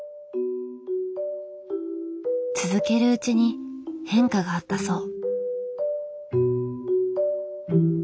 続けるうちに変化があったそう。